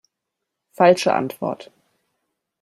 Falsche Antwort.